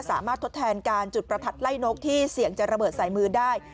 ทดแทนการจุดประทัดไล่นกที่เสี่ยงจะระเบิดสายมือได้